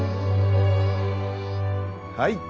はい。